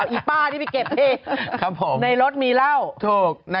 อีป้าที่ไปเก็บที่ในรถมีเล่า